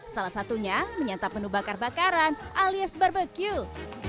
salah satunya menyantap menu bakar bakaran alias barbecue